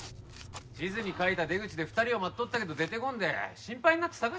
地図に描いた出口で２人を待っとったけど出てこんで心配になって捜しとったんやて。